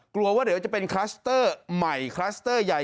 กลัวว่าเดี๋ยวจะเป็นคลัสเตอร์ใหม่คลัสเตอร์ใหญ่